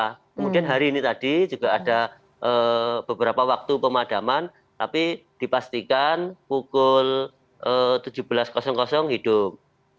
kemudian hari ini tadi juga ada beberapa waktu pemadaman tapi dipastikan pukul tujuh belas hidup